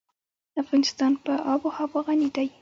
افغانستان په آب وهوا غني دی.